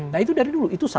nah itu dari dulu